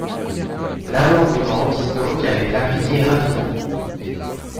L’amendement vise donc à les clarifier rapidement.